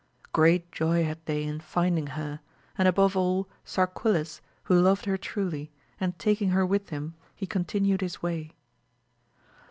Great joy had they in finding her, and above all Sarquiles who loved her truly, and taking her with him he continued his way.